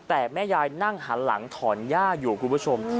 แต่แม่ยายนั่งหันหลังถอนหญ้าอยู่คุณผู้ชม